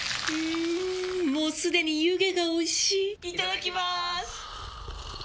もうすでに湯気がおいしいいただきまーす！